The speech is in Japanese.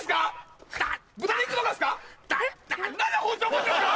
豚肉ですか？